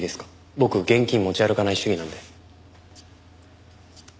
僕現金持ち歩かない主義なので。